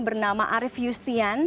bernama arief yustian